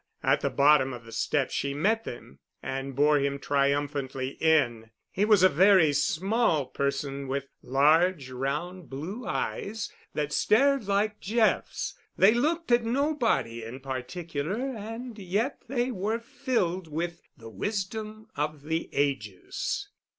At the bottom of the steps she met them and bore him triumphantly in. He was a very small person with large round blue eyes that stared like Jeff's. They looked at nobody in particular, and yet they were filled with the wisdom of the ages.